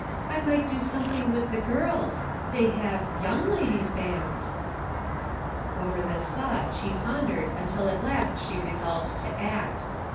"I might do something with the girls ; they have Young Ladies' Bands." Over this thought she pondered until at last she resolved to act.